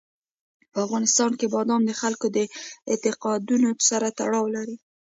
په افغانستان کې بادام د خلکو د اعتقاداتو سره تړاو لري.